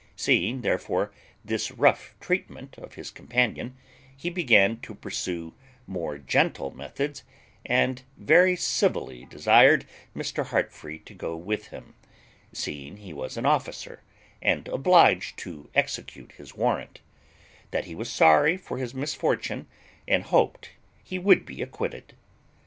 Seeing, therefore, this rough treatment of his companion, he began to pursue more gentle methods, and very civilly desired Mr. Heartfree to go with him, seeing he was an officer, and obliged to execute his warrant; that he was sorry for his misfortune, and hoped he would be acquitted.